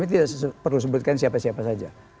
tidak perlu disebutkan siapa siapa saja